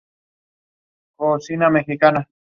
que ella no partiera